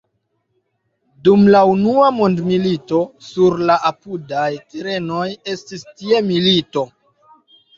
Dum la Unua Mondmilito sur la apudaj terenoj estis tie milito.